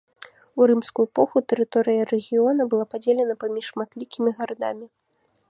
У рымскую эпоху тэрыторыя рэгіёна была падзелена паміж шматлікімі гарадамі.